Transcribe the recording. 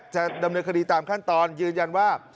จะดำเนินคดีตามขั้นตอนยืนยันว่า